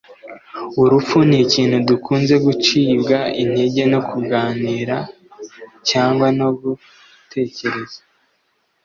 Urupfu nikintu dukunze gucibwa intege no kuganira cyangwa no gutekereza